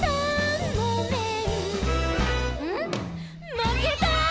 まけた」